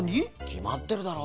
きまってるだろ？